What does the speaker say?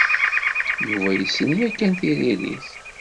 Yuba yessen yakan tiririt.